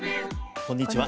こんにちは。